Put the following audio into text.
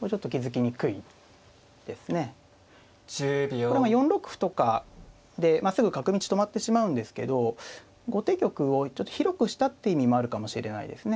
これまあ４六歩とかですぐ角道止まってしまうんですけど後手玉をちょっと広くしたって意味もあるかもしれないですね。